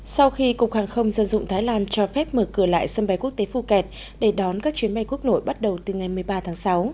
sau khi cục hàng không dân dụng thái lan cho phép mở cửa lại sân bay quốc tế phuket để đón các chuyến bay quốc nội bắt đầu từ ngày một mươi ba tháng sáu